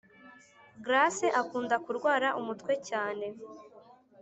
Grace akunda kurwara umutwe cyane